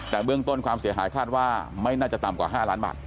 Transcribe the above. แต่เบื้องต้นความเสียหายคาดว่าไม่น่าจะต่ำกว่า๕ล้านบาท